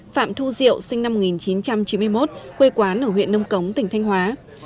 phạm thu diệu sinh năm một nghìn chín trăm chín mươi một quê quán ở huyện nông cống tỉnh thanh hóa